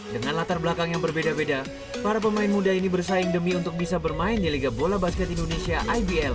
dengan latar belakang yang berbeda beda para pemain muda ini bersaing demi untuk bisa bermain di liga bola basket indonesia igl